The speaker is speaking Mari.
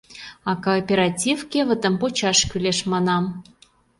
— А кооператив кевытым почаш кӱлеш, манам.